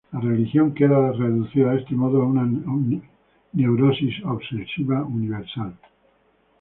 La religión queda reducida de este modo a una neurosis obsesiva universal.